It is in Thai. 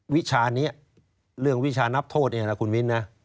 วิชานี้เรื่องวิชานับโทษเองนะคุณมิ้นนะ